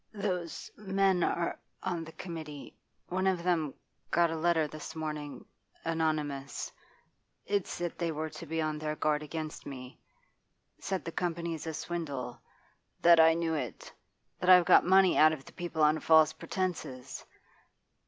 'Those men are on the committee. One of them got a letter this morning anonymous. It said they were to be on their guard against me. Said the Company's a swindle that I knew it that I've got money out of the people on false pretences.